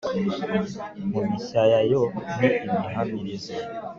mu mishayayo n' imihamirizo.